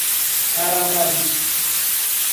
Aramari